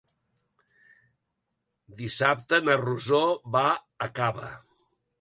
Dissabte na Rosó va a Cava.